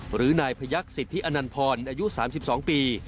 หรือนายพยักษ์สิทธิอนันพรอายุ๓๒ปี